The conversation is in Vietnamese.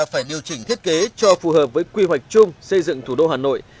phải điều chỉnh thiết kế cho phù hợp với quy hoạch chung xây dựng thủ đô hà nội